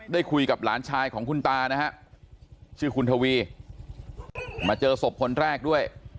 ได้คุยกับหลานชายของคุณตานะฮะชื่อคุณทวีมาเจอศพคนแรกด้วย